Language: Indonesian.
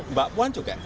mbak puan juga